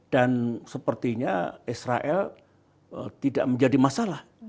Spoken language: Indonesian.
dan sepertinya israel tidak menjadi masalah